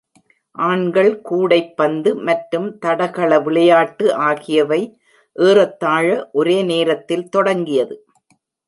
ஆண்கள் கூடைப்பந்து மற்றும் தடகள விளையாட்டு ஆகியவை ஏறத்தாழ ஒரே நேரத்தில் தொடங்கியது.